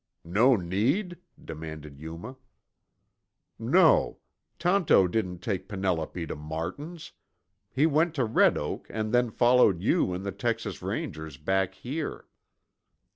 "No need?" demanded Yuma. "No. Tonto didn't take Penelope to Martin's. He went to Red Oak and then followed you and the Texas Rangers back here."